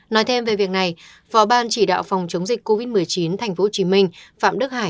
nói thêm về việc này phó ban chỉ đạo phòng chống dịch covid một mươi chín tp hcm phạm đức hải